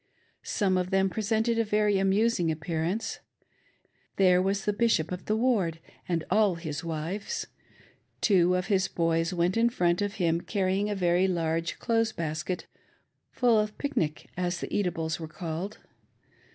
Some of them presented a very amusing appearance; ^here was the Bishop of the ward and all his wives. Two of his boys went in front of him, carrying a very large clothes basket full of "pic nic," as the eatables were called.